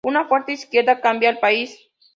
Una fuerte izquierda cambia al país".